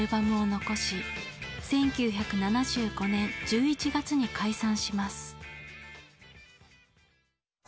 １９７５年１１月に解散します。